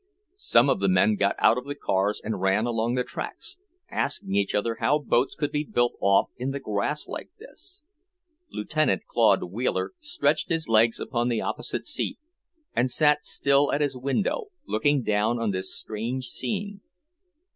Some of the men got out of the cars and ran along the tracks, asking each other how boats could be built off in the grass like this. Lieutenant Claude Wheeler stretched his legs upon the opposite seat and sat still at his window, looking down on this strange scene.